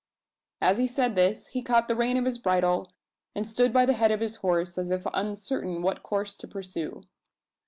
As he said this, he caught the rein of his bridle, and stood by the head of his horse, as if uncertain what course to pursue.